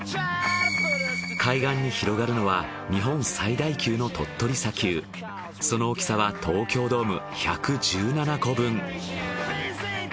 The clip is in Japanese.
海岸に広がるのは日本最大級のその大きさは東京ドーム１１７個分。